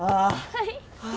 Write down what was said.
はい。